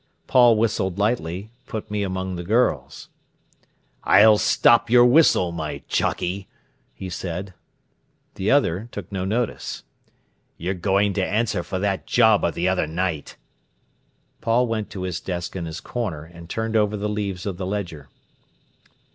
Paul whistled lightly, "Put Me among the Girls". "I'll stop your whistle, my jockey!" he said. The other took no notice. "You're goin' to answer for that job of the other night." Paul went to his desk in his corner, and turned over the leaves of the ledger.